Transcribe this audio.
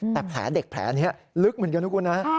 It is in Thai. แต่แผลเด็กแผลนี้ลึกเหมือนกันนะคุณนะ